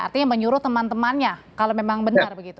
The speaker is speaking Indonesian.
artinya menyuruh teman temannya kalau memang benar begitu